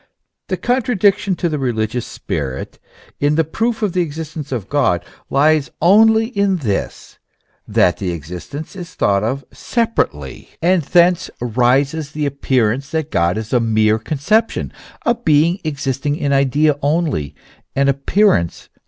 The contradiction to the religious spirit in the proof of the existence of God lies only in this, that the existence is thought of separately, and thence arises the appearance that God is a mere conception, a being existing in idea only, an appearance 198 THE ESSENCE OF CHRISTIANITY.